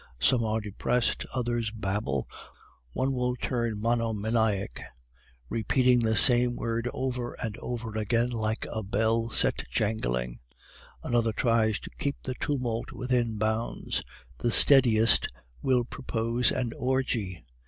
Some are depressed, others babble, one will turn monomaniac, repeating the same word over and over again like a bell set jangling; another tries to keep the tumult within bounds; the steadiest will propose an orgy.